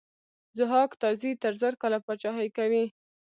ضحاک تازي تر زر کاله پاچهي کوي.